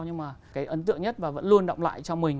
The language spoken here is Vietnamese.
nhưng mà cái ấn tượng nhất và vẫn luôn động lại cho mình